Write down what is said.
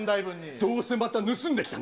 どうせまた盗んできたんだ。